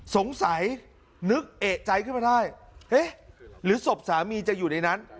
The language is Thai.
สงสัยนึกเอกใจขึ้นมาได้เอ๊ะหรือศพสามีจะอยู่ในนั้น